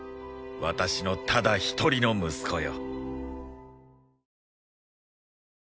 私のただ一人の息子よ。